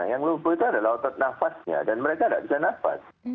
yang lumpuh itu adalah otot nafasnya dan mereka tidak bisa nafas